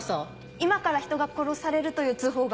「今から人が殺される」という通報が。